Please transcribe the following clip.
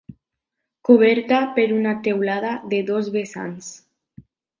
Coberta per una teulada de dos vessants.